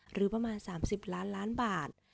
หรือประมาณ๓๐ล้านล้านบาท